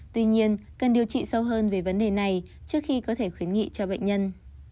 tuy nhiên cần điều trị sâu hơn về vấn đề này trước khi có thể khuyến nghị cho bệnh nhân